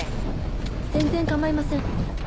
全然構いません。